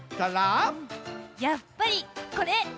やっぱりこれ！